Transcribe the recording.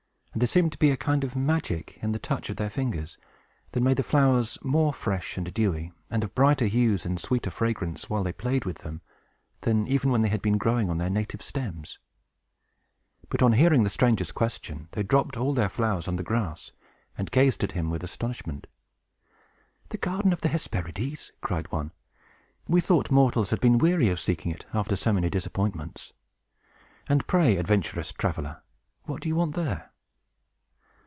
And there seemed to be a kind of magic in the touch of their fingers, that made the flowers more fresh and dewy, and of brighter hues, and sweeter fragrance, while they played with them, than even when they had been growing on their native stems. But, on hearing the stranger's question, they dropped all their flowers on the grass, and gazed at him with astonishment. "The garden of the Hesperides!" cried one. "We thought mortals had been weary of seeking it, after so many disappointments. And pray, adventurous traveler, what do you want there?"